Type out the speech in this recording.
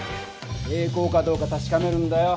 平行かどうかたしかめるんだよ。